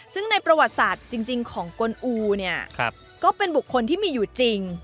ซึ่งในประวัติศาสตร์จริงของกลอูเนี่ยก็เป็นบุคคลที่มีอยู่จริง